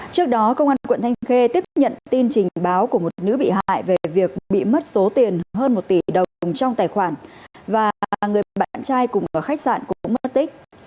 trước đó công an quận thanh khê tiếp nhận tin trình báo của một nữ bị hại về việc bị mất số tiền hơn một tỷ đồng trong tài khoản và người bạn trai cùng vào khách sạn cũng mất tích